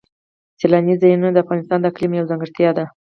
سیلاني ځایونه د افغانستان د اقلیم یوه ځانګړتیا ده.